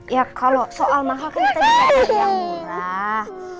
ya kalau soal mahal kan kita bisa kasih yang murah